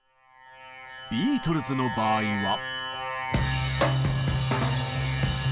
ビートルズの場合は。